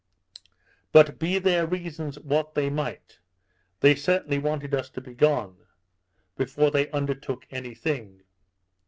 But be their reasons what they might, they certainly wanted us to be gone, before they undertook any thing.